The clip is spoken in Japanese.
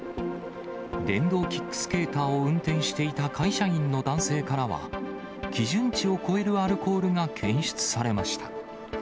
電動キックスケーターを運転していた会社員の男性からは、基準値を超えるアルコールが検出されました。